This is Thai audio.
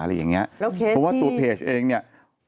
โอเคเพราะว่าตัวเพจเองเนี่ย